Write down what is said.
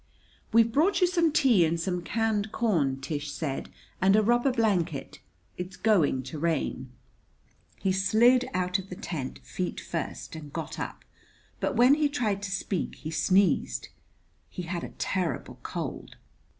"We've brought you some tea and some canned corn," Tish said; "and a rubber blanket. It's going to rain." He slid out of the tent, feet first, and got up; but when he tried to speak he sneezed. He had a terrible cold.